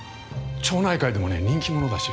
町内会でもね人気者だし。